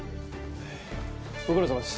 ご苦労さまです。